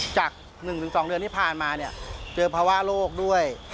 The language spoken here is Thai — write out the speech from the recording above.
จาก๑๒เดือนที่ผ่านมาเนี่ยเจอภาวะโรคด้วย